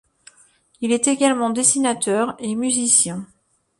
Il est également dessinateur et musicien.